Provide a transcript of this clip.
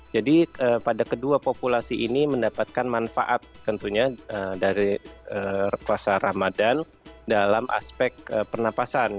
jadi pada kedua populasi ini mendapatkan manfaat tentunya dari puasa ramadan dalam aspek pernapasan